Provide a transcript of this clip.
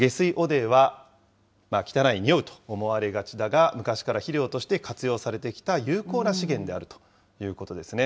下水汚泥は、汚い、臭うと思われがちだが、昔から肥料として活用されてきた有効な資源であるということですね。